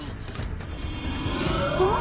あっ。